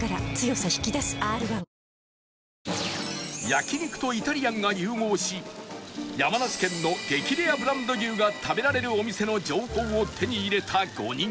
焼肉とイタリアンが融合し山梨県の激レアブランド牛が食べられるお店の情報を手に入れた５人